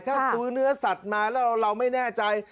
ถ้าซื้อเนื้อสัตว์มาแล้วเราไม่แน่ใจ